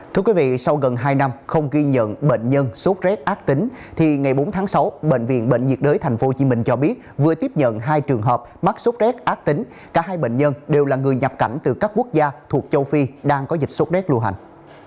thưa quý vị sau gần hai năm không ghi nhận bệnh nhân sốt rét ác tính thì ngày bốn tháng sáu bệnh viện bệnh nhiệt đới tp hcm cho biết vừa tiếp nhận hai trường hợp mắc sốt rét ác tính cả hai bệnh nhân đều là người nhập cảnh từ các quốc gia thuộc châu phi đang có dịch sốt rét lưu hành